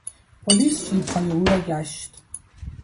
پلیس جیبهای او را گشت.